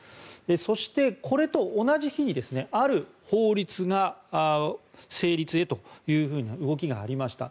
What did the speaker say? そして、これと同じ日にある法律が成立へという動きがありました。